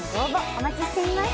お待ちしています